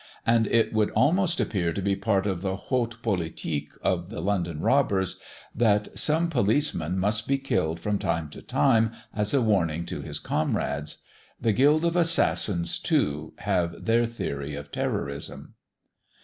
And it would almost appear to be part of the haute politique of the London robbers, that some policeman must be killed from time to time as a warning to his comrades. The guild of assassins, too, have their theory of terrorism.